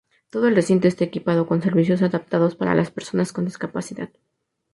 Todo el recinto está equipado con servicios adaptados para las personas con discapacidad.